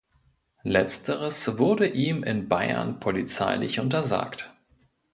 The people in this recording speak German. Letzteres wurde ihm in Bayern polizeilich untersagt.